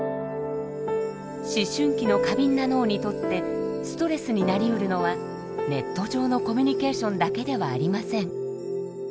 思春期の過敏な脳にとってストレスになりうるのはネット上のコミュニケーションだけではありません。